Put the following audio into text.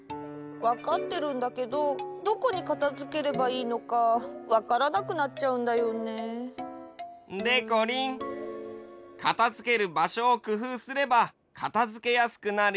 わかってるんだけどどこにかたづければいいのかわからなくなっちゃうんだよね。でこりんかたづけるばしょをくふうすればかたづけやすくなるよ。